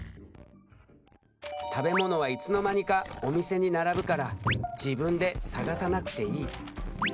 食べ物はいつの間にかお店に並ぶから自分で探さなくていい。